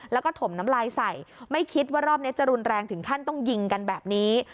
แล้วก็ถมน้ำลายใส่ไม่คิดว่ารอบนี้จะรุนแรงถึงขั้นต้องยิงกันแบบนี้